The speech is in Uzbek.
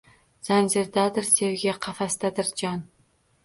Zanjirdadir sevgi, qafasdadir jon.